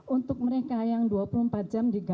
untuk mereka yang dua puluh empat jam